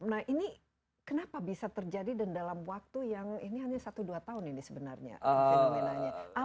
nah ini kenapa bisa terjadi dan dalam waktu yang ini hanya satu dua tahun ini sebenarnya fenomenanya